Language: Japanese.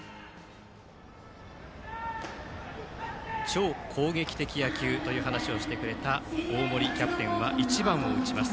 超攻撃的野球という話をしてくれた大森キャプテンは１番を打ちます。